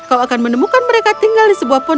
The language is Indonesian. kau akan menemukan mereka tinggal di sebuah pohon